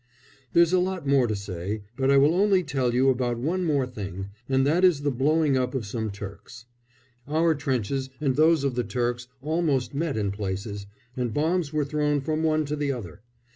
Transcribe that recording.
There's a lot more to say, but I will only tell you about one more thing, and that is the blowing up of some Turks. Our trenches and those of the Turks almost met in places, and bombs were thrown from one to the other.